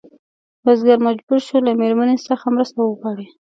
بزګر مجبور شو له مېرمنې څخه مرسته وغواړي.